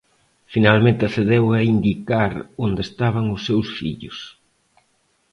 Finalmente accedeu a indicar onde estaban os seus fillos.